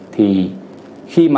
thì khi mà